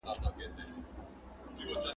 چي ورور مي د خورلڼي ناوکۍ د پلو غل دی `